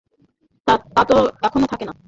তা তো কখনোই থাকে না!